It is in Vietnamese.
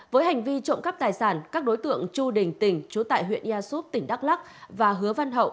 với hành vi trộm cắp tài sản các đối tượng chu đình tỉnh chú tại huyện ia súp tỉnh đắk lắc và hứa văn hậu